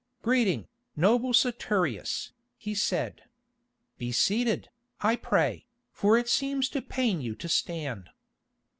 "Greeting, noble Saturius," he said. "Be seated, I pray, for it seems to pain you to stand."